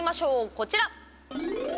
こちら。